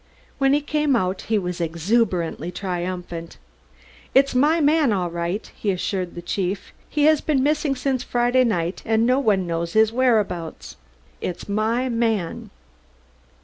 When he came out he was exuberantly triumphant. "It's my man, all right," he assured the chief. "He has been missing since Friday night, and no one knows his whereabouts. It's my man."